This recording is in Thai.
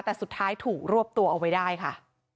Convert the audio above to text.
แต่สุดท้ายถูกรวบตัวเอาไว้ได้ค่ะ